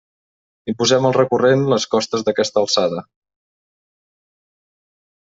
Imposem al recurrent les costes d'aquesta alçada.